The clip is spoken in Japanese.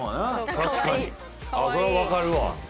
確かにそれは分かるわ。